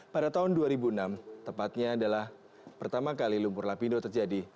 pada tahun dua ribu enam tepatnya adalah pertama kali lumpur lapindo terjadi